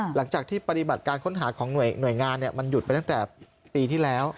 หลังจากที่ปฏิบัติการค้นหาของหน่วยงานมันหยุดไปตั้งแต่ปีที่แล้ว